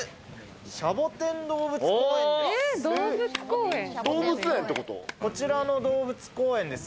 シャボテン動物公園です。